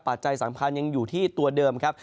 จัยสำคัญยังอยู่ที่ตัวเดิมครับ